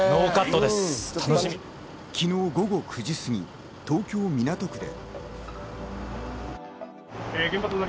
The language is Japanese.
昨日午後９時すぎ、東京・港区で。